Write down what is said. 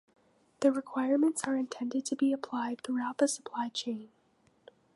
The requirements are intended to be applied throughout the supply chain.